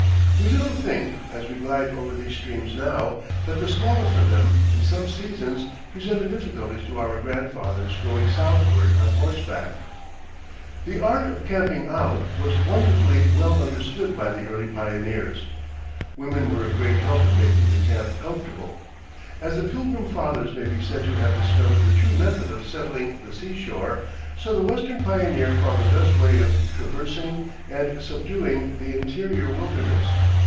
We little think, as we glide over these streams now, that the smallest of them, in some seasons, presented difficulties to our grandfathers going southward on horseback. The art of camping out was wonderfully well understood by the early pioneers. Women were a great help in making the camp comfortable. As the Pilgrim Fathers may be said to have discovered the true method of settling the sea shore, so the Western pioneer found the best way of traversing and subduing the interior wilderness.